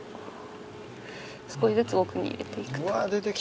少しずつ奥に入れて行く。